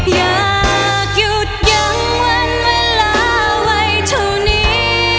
อยากหยุดยังวันเวลาไว้เท่านี้